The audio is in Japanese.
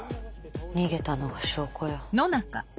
逃げたのが証拠よ。